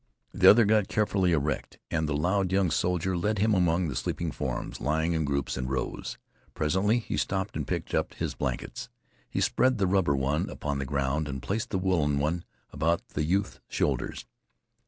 The other got carefully erect, and the loud young soldier led him among the sleeping forms lying in groups and rows. Presently he stooped and picked up his blankets. He spread the rubber one upon the ground and placed the woolen one about the youth's shoulders.